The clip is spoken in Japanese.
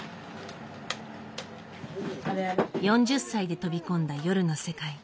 ４０歳で飛び込んだ夜の世界。